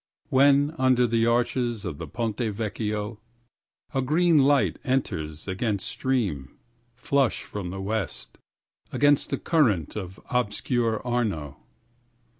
6When under the arches of the Ponte Vecchio7A green light enters against stream, flush from the west,8Against the current of obscure Arno